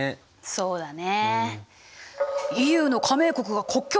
そうだね。